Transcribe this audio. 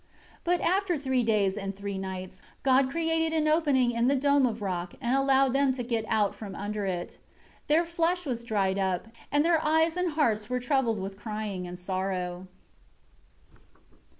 13 But, after three days and three nights, God created an opening in the dome of rock and allowed them to get out from under it. Their flesh was dried up, and their eyes and hearts were troubled from crying and sorrow.